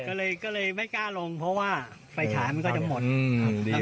ก็เลยก็เลยไม่กล้าลงเพราะว่าไฟฉายมันก็จะหมดครับ